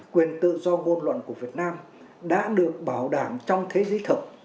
quyền tự do ngôn luận của việt nam đã được bảo đảm trong thế giới thực